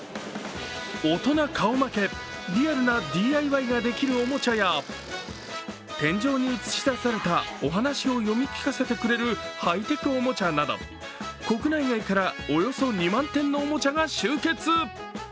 大人顔負け、リアルなＤＩＹができるおもちゃや天井に映し出されたお話を読み聞かせてくれるハイテクおもちゃなど、国内外からおよそ２万点のおもちゃが集結。